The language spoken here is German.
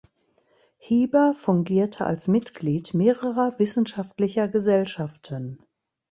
Hieber fungierte als Mitglied mehrerer wissenschaftlicher Gesellschaften.